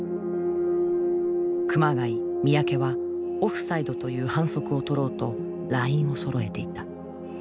熊谷三宅はオフサイドという反則をとろうとラインをそろえていた。